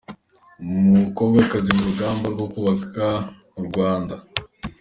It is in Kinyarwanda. Umukobwakazi mu rugamba rwo kubaka u Rwanda